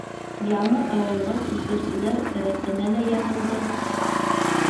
Яңы ауылға күсеүселәр рәтенә лә яҙылды.